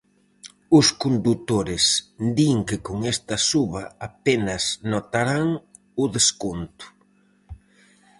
Os condutores din que con esta suba apenas notarán o desconto.